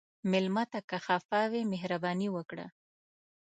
مېلمه ته که خفه وي، مهرباني وکړه.